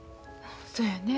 そやねえ。